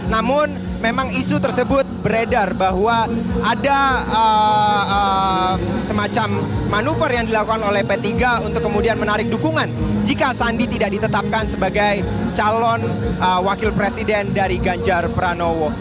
namun memang isu tersebut beredar bahwa ada semacam manuver yang dilakukan oleh p tiga untuk kemudian menarik dukungan jika sandi tidak ditetapkan sebagai calon wakil presiden dari ganjar pranowo